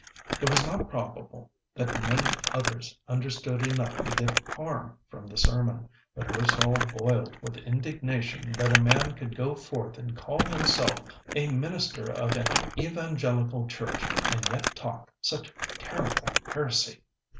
It was not probable that many others understood enough to get harm from the sermon, but her soul boiled with indignation that a man could go forth and call himself a minister of an evangelical church and yet talk such terrible heresy.